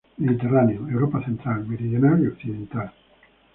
Mediterráneo, Europa central, meridional y occidental.